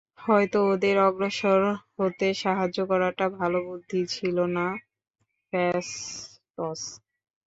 হয়তো ওদের অগ্রসর হতে সাহায্য করাটা ভালো বুদ্ধি ছিল না, ফ্যাসটস।